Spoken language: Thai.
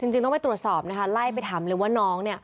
จริงต้องไปตรวจสอบไล่ไปถามเลยว่าน้อง